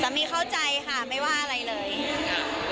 มีเข้าใจค่ะไม่ว่าอะไรเลยค่ะ